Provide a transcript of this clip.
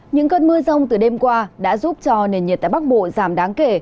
những cơn mưa rông từ đêm qua đã giúp cho nền nhiệt tại bắc bộ giảm đáng kể